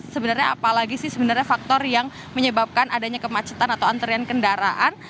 sebenarnya apalagi sih sebenarnya faktor yang menyebabkan adanya kemacetan atau antrian kendaraan